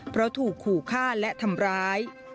เพราะถูกขู่ฆ่าและทำร้าย